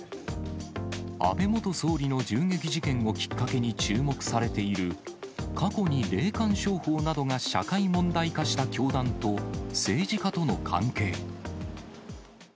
安倍元総理の銃撃事件をきっかけに注目されている、過去に霊感商法などが社会問題化した教団と政治家との関係。